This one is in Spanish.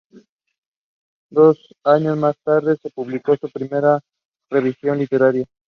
Dos años más tarde se publicó su primera revisión literaria.